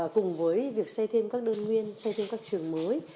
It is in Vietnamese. cùng với việc xây thêm các đơn nguyên xây thêm các trường mới